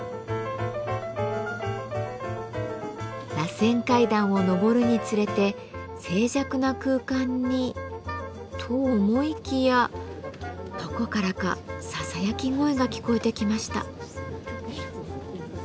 らせん階段を上るにつれて静寂な空間にと思いきやどこからかささやき声が聞こえてきました。